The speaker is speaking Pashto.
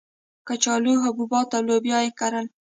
کچالو، حبوبات او لوبیا یې کرل.